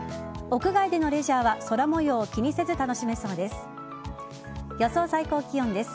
屋外でのレジャーは空模様を気にせず楽しめそうです。